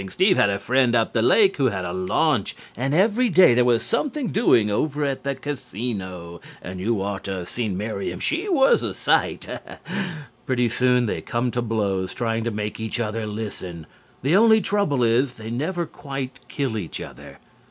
Steve had a friend up the lake who had a launch "" and everyday there was something doing over at the Casino "" and you ought to have seen Miriam, she was a sight " Pretty soon they come to blows trying to make each other listen. The only trouble is they never quite kill each other.